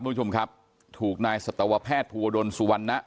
มุมชุมครับถูกนายศตวแพทย์ภูวดลสุวรรณนะ